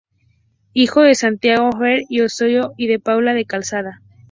Hijo de Santiago Hereñú y Osorio y de Paula de la Calzada.